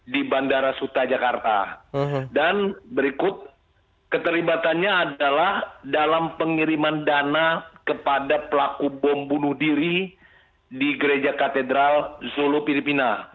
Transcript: dan berikut keterlibatannya adalah dalam pengiriman dana kepada pelaku bom bunuh diri di gereja katedral zulu piripina